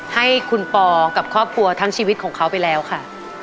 ให้คุณปอกับครอบครัวทั้งชีวิตของเขาไปแล้วค่ะ